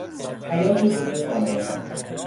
حیاط جلو خانهی من